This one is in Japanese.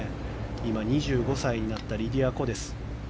今、２５歳になったリディア・コです。